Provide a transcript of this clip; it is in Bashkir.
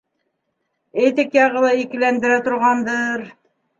Этик яғы ла икеләндерә торғандыр.